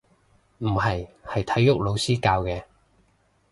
唔係，係體育老師教嘅